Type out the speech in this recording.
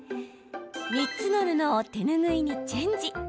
３つの布を手ぬぐいにチェンジ。